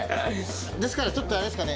ですからちょっとあれですかね。